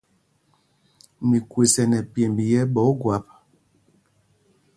Mikwes ɛ nɛ pyěmb yɛ̄ ɓɛ̌ ógwâp.